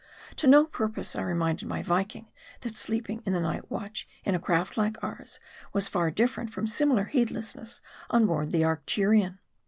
To no purpose, I reminded my Viking that sleeping in the night watch in a craft like ours, was far different from similar heedlessness on board the Arctu rion.